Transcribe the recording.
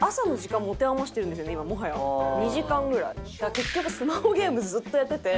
結局スマホゲームずっとやってて。